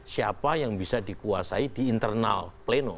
siapa yang bisa dikuasai di internal pleno